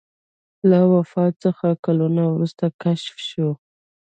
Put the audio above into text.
له وفات څخه کلونه وروسته کشف شو.